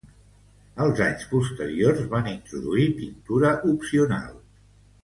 Els anys posterior van introduir pintura opcional.